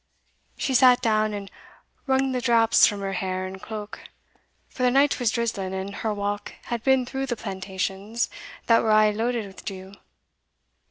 She sat down, and wrung the draps from her hair and cloak, for the night was drizzling, and her walk had been through the plantations, that were a' loaded with dew.